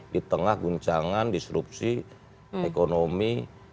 di tengah guncangan disrupsi ekonomi